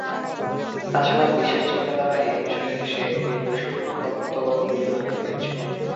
তা ছাড়া বিশেষ চিন্তা দ্বারা এ বিষয়ে সে একটি অতি সুক্ষ্ণতত্ত্ব নির্ণয় করিয়াছিল।